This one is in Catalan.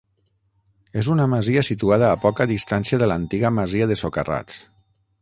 És una masia situada a poca distància de l'antiga masia de Socarrats.